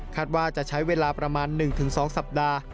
ว่าจะใช้เวลาประมาณ๑๒สัปดาห์